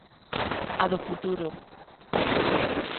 A do futuro.